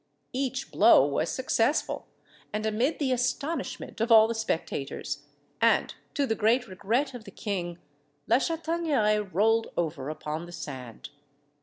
Each blow was successful, and, amid the astonishment of all the spectators, and to the great regret of the king, La Chataigneraie rolled over upon the sand.